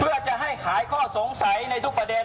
เพื่อจะให้ขายข้อสงสัยในทุกประเด็น